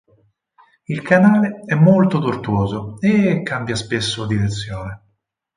Il canale è molto tortuoso e cambia spesso direzione.